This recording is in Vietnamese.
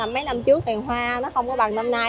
mấy năm trước vườn hoa nó không có bằng năm nay